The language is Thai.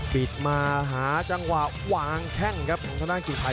ปิดมาหาจังหว่างแข่งครับข้างด้านกินไทย